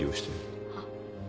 あっ。